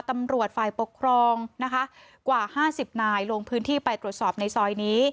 ตำรวจฝ่ายปกครองนะคะกว่า๕๐นายลงพื้นที่ไปตรวจสอบในซอยนี้